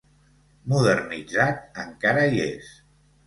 Modernitzat, encara hi és.